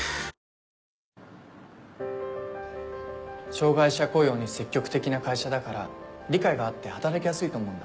障がい者雇用に積極的な会社だから理解があって働きやすいと思うんだ。